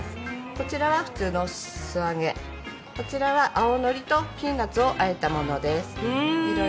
こちらは普通の素揚げ、こちらは青のりとピーナツを和えたものです。